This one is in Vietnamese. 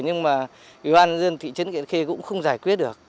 nhưng mà ủy ban dân thị trấn kiện khê cũng không giải quyết được